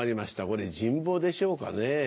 これ人望でしょうかね。